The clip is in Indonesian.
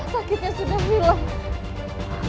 sakitnya sudah hilang